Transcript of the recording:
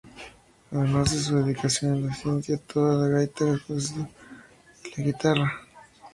Además de su dedicación a la ciencia, toca la gaita escocesa y la guitarra.